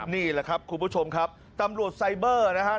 นี่แหละครับคุณผู้ชมครับตำรวจไซเบอร์นะครับ